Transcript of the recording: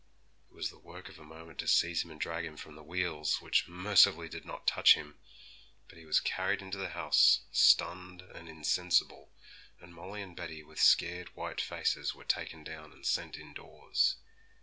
It was the work of a moment to seize him and drag him from the wheels, which mercifully did not touch him; but he was carried into the house stunned and insensible, and Molly and Betty, with scared, white faces, were taken down and sent indoors.